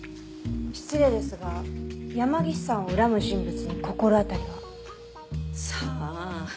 失礼ですが山岸さんを恨む人物に心当たりは？さあ。